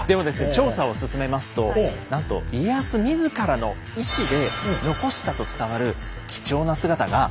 調査を進めますとなんと家康自らの意思で残したと伝わる貴重な姿がありました。